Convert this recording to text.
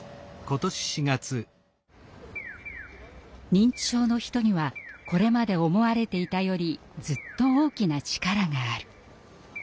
認知症の人にはこれまで思われていたよりずっと大きな力がある。